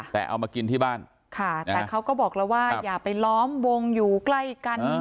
แต่เอามากินที่บ้านค่ะแต่เขาก็บอกแล้วว่าอย่าไปล้อมวงอยู่ใกล้กัน